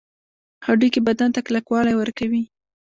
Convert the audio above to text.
هډوکي بدن ته کلکوالی ورکوي